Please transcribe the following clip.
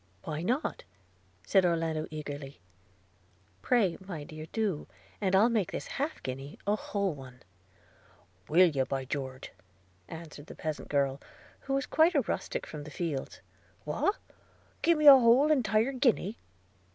'Why not?' said Orlando eagerly – 'Pray, my dear, do, and I'll make this half guinea a whole one!' 'Will you, by George!' answered the peasant girl, who was quite a rustic from the fields – 'what! gi me a whole entire guinea?'